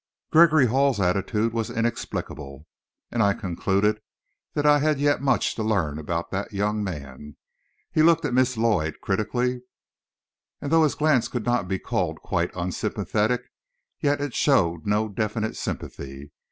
Gregory Hall's attitude was inexplicable, and I concluded I had yet much to learn about that young man. He looked at Miss Lloyd critically, and though his glance could not be called quite unsympathetic, yet it showed no definite sympathy.